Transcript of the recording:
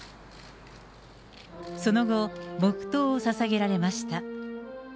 その後、黙とうをささげられました。